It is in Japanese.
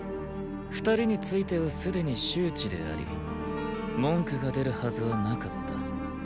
二人についてはすでに周知であり文句が出るはずはなかった。